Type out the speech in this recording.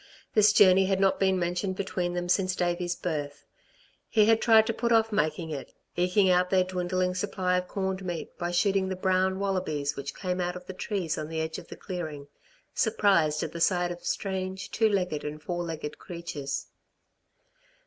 This journey had not been mentioned between them since Davey's birth. He had tried to put off making it, ekeing out their dwindling supply of corned meat by shooting the brown wallabys which came out of the trees on the edge of the clearing, surprised at the sight of strange, two legged and four legged creatures.